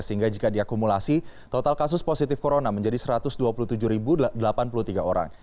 sehingga jika diakumulasi total kasus positif corona menjadi satu ratus dua puluh tujuh delapan puluh tiga orang